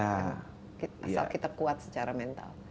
asal kita kuat secara mental